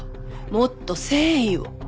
もっと誠意を。